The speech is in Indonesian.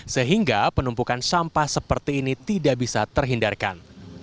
sehingga penumpukan sampah seperti ini tidak bisa terhindarkan